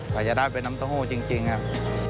กว่าจะได้เป็นน้ำเต้าหู้จริงครับ